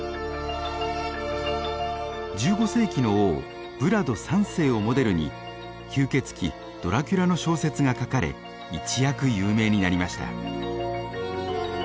１５世紀の王ヴラド３世をモデルに吸血鬼ドラキュラの小説が書かれ一躍有名になりました。